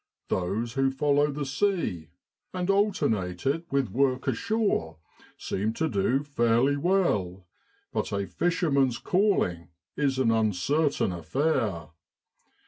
Those who follow the sea, and alternate it with work ashore, seem to do fairly well; but a fisherman's calling is an uncertain affair.